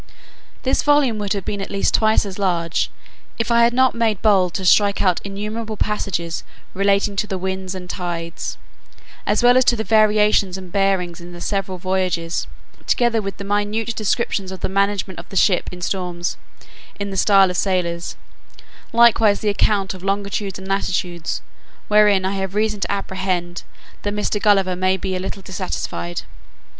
This volume would have been at least twice as large, if I had not made bold to strike out innumerable passages relating to the winds and tides, as well as to the variations and bearings in the several voyages, together with the minute descriptions of the management of the ship in storms, in the style of sailors; likewise the account of longitudes and latitudes; wherein I have reason to apprehend, that Mr. Gulliver may be a little dissatisfied.